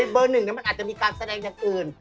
เบอร์หนึ่งมันอาจจะมีการแสดงอย่างอื่น